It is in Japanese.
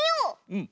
うん。